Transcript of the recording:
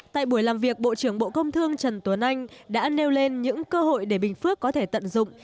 tại buổi làm việc bộ trưởng bộ công thương trần tuấn anh đã nêu lên những cơ hội để bình phước có thể tận dụng